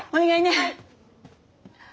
はい。